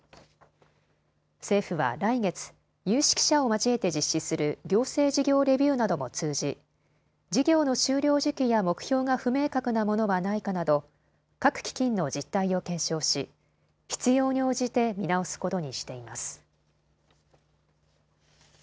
政府は来月、有識者を交えて実施する行政事業レビューなども通じ事業の終了時期や目標が不明確なものはないかなど各基金の実態を検証し必要に応じて見直すことにしています。